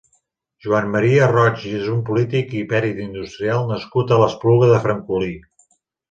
Joan Maria Roig és un polític i pèrit industrial nascut a l'Espluga de Francolí.